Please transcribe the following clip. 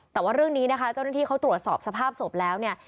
แต่ว่าเรื่องนี้นะคะเจ้าหน้าที่เขาตรวจสอบสภาพศพแล้วเนี่ย